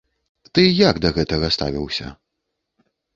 Ты як да гэтага ставіўся?